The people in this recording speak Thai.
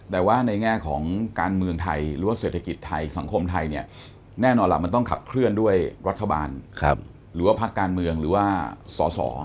แต่ว่าในแง่ของการเมืองไทยหรือว่าเศรษฐกิจไทยสังคมไทยเนี่ยแน่นอนล่ะมันต้องขับเคลื่อนด้วยรัฐบาลหรือว่าพักการเมืองหรือว่าสอสอ